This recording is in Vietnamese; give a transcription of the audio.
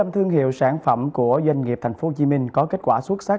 bốn mươi năm thương hiệu sản phẩm của doanh nghiệp tp hcm có kết quả xuất sắc